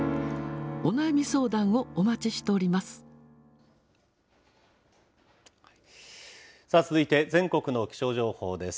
お悩み相談をお待ちしております。